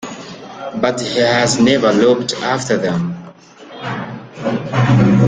But he has never looked after them.